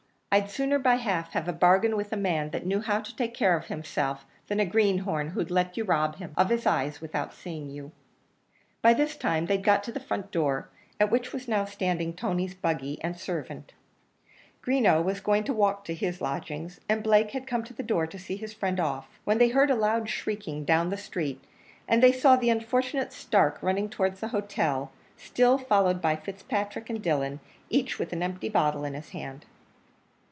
I'd sooner by half have a bargain with a man that knew how to take care of himself, than a greenhorn, who'd let you rob him of his eyes without seeing you." By this time they'd got to the front door, at which was now standing Tony's buggy and servant; Greenough was going to walk to his lodgings, and Blake had come to the door to see his friend off; when they heard a loud shrieking down the street, and they saw the unfortunate Stark running towards the hotel, still followed by Fitzpatrick and Dillon, each with an empty bottle in his hand.